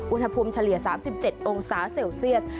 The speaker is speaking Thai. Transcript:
อุณหภูมิเฉลี่ย๓๗องศาเซลเซียส